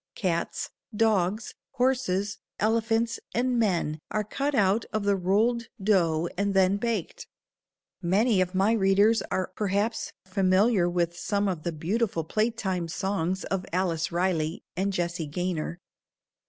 Cats, dogs, horses, elephants and men are cut out of the rolled dough and then baked. Many of my readers are perhaps familiar with some of the beautiful playtime songs of Alice Riley and Jessie Gaynor.